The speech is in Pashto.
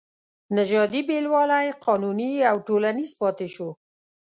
نژادي بېلوالی قانوني او ټولنیز پاتې شو.